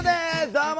どうも！